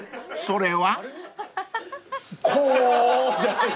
それは？］